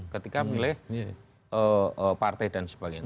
ketika milih partai dan sebagainya